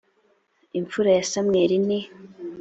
imfura ya samweli ni